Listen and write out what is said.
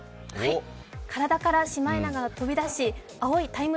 体からシマエナガが飛び出し青い「ＴＩＭＥ，」